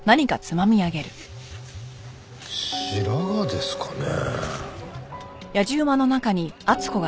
白髪ですかね？